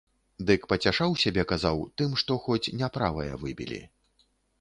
Дык пацяшаў сябе, казаў, тым, што хоць не правае выбілі.